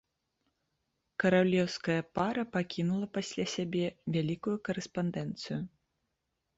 Каралеўская пара пакінула пасля сябе вялікую карэспандэнцыю.